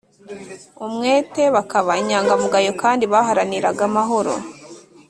Umwete bakaba inyangamugayo kandi baharaniraga amahoro